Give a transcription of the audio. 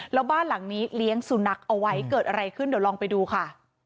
แล้วบ้านหลังนี้เลี้ยงสุนัขเอาไว้เกิดอะไรขึ้นเดี๋ยวลองไปดูค่ะ